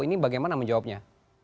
ini bagaimana menjawabnya